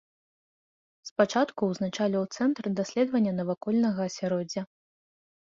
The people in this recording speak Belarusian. Спачатку ўзначальваў цэнтр даследавання навакольнага асяроддзя.